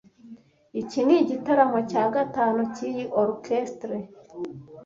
Iki nigitaramo cya gatanu cyiyi orchestre.